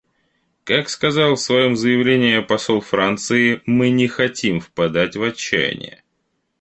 Как сказал в своем заявлении посол Франции, мы не хотим впадать в отчаяние.